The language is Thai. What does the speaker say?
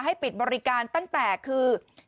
ปิดบริการตั้งแต่คือ